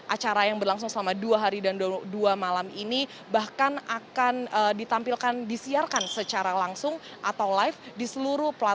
acara yang berlangsung selama dua hari dan dua malam ini bahkan akan ditampilkan disiarkan secara langsung atau live di seluruh pelatnas